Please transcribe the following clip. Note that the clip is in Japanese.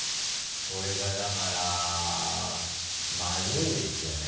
これがだからまずいですよね。